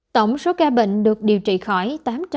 tổng số ca bệnh được điều trị khỏi tám trăm bốn mươi bốn năm mươi bốn